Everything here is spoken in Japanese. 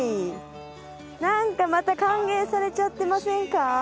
なんかまた歓迎されちゃってませんか？